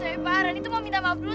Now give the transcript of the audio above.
ditempat jadi pening ganda betul betul